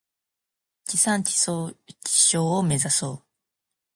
地産地消を目指そう。